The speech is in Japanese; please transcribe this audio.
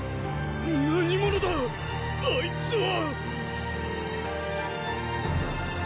何者だあいつはっ！